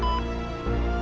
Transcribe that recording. ya allah papa